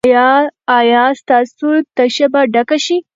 ایا ستاسو تشه به ډکه شي؟